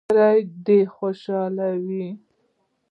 ملګري دي خوشحاله وي.